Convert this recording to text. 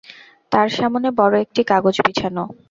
তার সামনে বড় একটি কাগজ বিছানো।